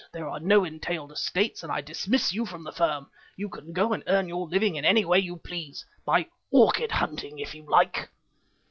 there are no entailed estates, and I dismiss you from the firm. You can go and earn your living in any way you please, by orchid hunting if you like."